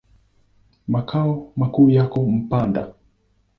Makao makuu yako Mpanda.